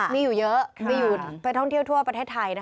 มีอยู่เยอะไปท่องเที่ยวทั่วประเทศไทย